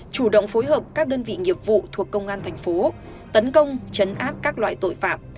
chủ động phối hợp các đơn vị nghiệp vụ thuộc công an thành phố tấn công chấn áp các loại tội phạm